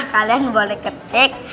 hah kalian boleh ketik